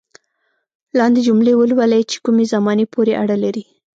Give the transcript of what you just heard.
لاندې جملې ولولئ چې کومې زمانې پورې اړه لري.